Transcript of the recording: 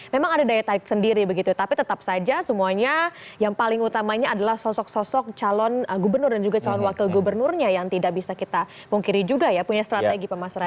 memang ada daya tarik sendiri begitu tapi tetap saja semuanya yang paling utamanya adalah sosok sosok calon gubernur dan juga calon wakil gubernurnya yang tidak bisa kita pungkiri juga ya punya strategi pemasaran